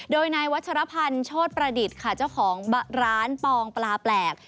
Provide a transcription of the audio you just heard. โดยนายวัชรพันธ์โชธประดิษฐ์ค่ะเจ้าของร้านปองปลาแปลก